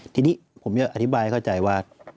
ทีนี้ผมจะอธิบายให้เข้าใจว่า